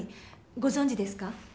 ご存じですか？